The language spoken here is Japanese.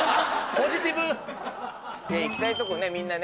行きたいとこみんなね。